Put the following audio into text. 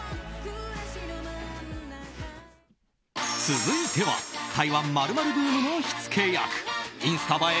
続いては台湾○○ブームの火付け役インスタ映え